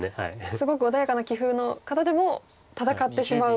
すごく穏やかな棋風の方でも戦ってしまう。